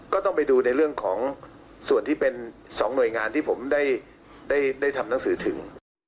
ก็ต้องไปดูในเรื่องของส่วนที่เป็น๒หน่วยงานที่ผมได้ทำหนังสือถึง